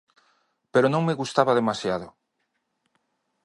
Pero non me gustaba demasiado.